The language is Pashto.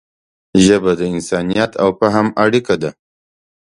ژبه د انسانیت او فهم اړیکه ده